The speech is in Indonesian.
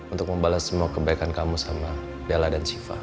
untuk membalas semua kebaikan kamu sama bella dan siva